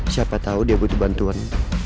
siapa tahu dia butuh bantuan